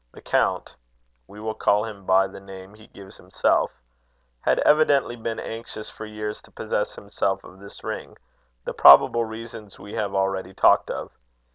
The count we will call him by the name he gives himself had evidently been anxious for years to possess himself of this ring: the probable reasons we have already talked of.